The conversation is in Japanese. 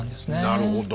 なるほど。